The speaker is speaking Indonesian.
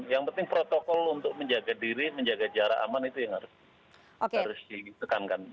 yang penting protokol untuk menjaga diri menjaga jarak aman itu yang harus ditekankan